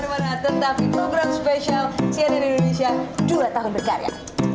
bagaimana tentang program spesial cnn indonesia dua tahun berkarya